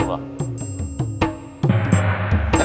bukan di jalan awal